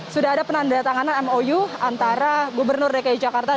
sudah ada penandatanganan mou antara gubernur dki jakarta